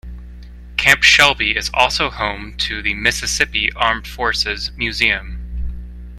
Camp Shelby is also home to the Mississippi Armed Forces Museum.